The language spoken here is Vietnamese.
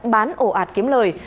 bán ổ ạt kiếm lời